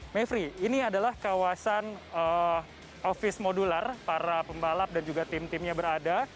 mevri ini adalah kawasan ofis modular para pembalap dan juga tim timnya berada